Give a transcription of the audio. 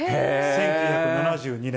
１９７２年。